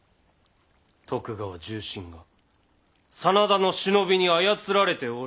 徳川重臣が真田の忍びに操られておる。